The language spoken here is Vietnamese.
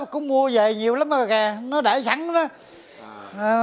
cũng mua về nhiều lắm rồi kìa nó để sẵn đó